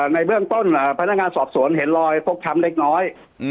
ในเบื้องต้นพนักงานสอบสวนเห็นรอยฟกช้ำเล็กน้อย